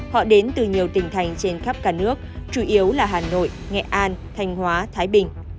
họ đến từ nhiều tỉnh thành trên khắp cả nước chủ yếu là hà nội nghệ an thanh hóa thái bình